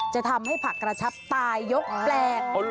จะทำให้ผักกระชับตายยกแปลก